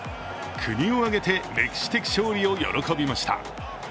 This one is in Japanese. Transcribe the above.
国を挙げて歴史的勝利を喜びました。